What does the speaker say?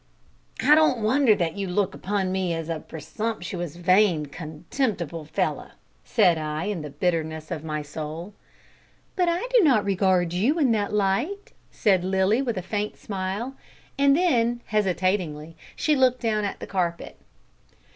"I don't wonder that you look upon me as a presumptuous, vain, contemptible fellow," said I, in the bitterness of my soul. "But I do not regard you in that light," said Lilly, with a faint smile, and then, hesitatingly, she looked down at the carpet.